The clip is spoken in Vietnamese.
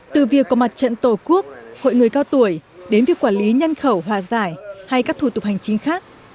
từ việc có mặt trận tổ quốc hội người cao tuổi đến việc quản lý nhân khẩu hòa giải hay các thủ tục hành chính khác